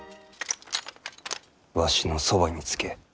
わしのそばにつけ。